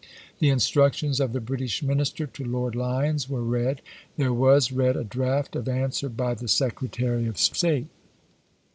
The instructions of the British minister to Lord Lyons were read. .. There was read a draft of answer by the Secretary of State."